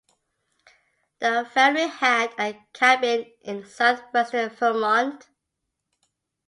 The family had a cabin in southwestern Vermont.